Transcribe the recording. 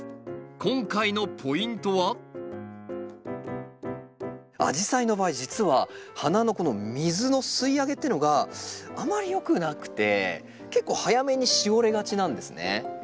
今回のポイントはアジサイの場合実は花のこの水の吸い上げってのがあまりよくなくて結構早めにしおれがちなんですね。